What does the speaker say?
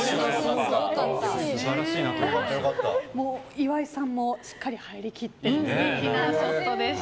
岩井さんもしっかり入りきって素敵なショットでした。